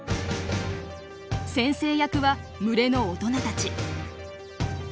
先生役は群れの大人たち。